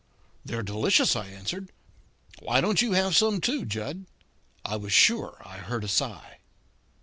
"They're delicious," I answered. "Why don't you have some, too, Jud?" I was sure I heard a sigh.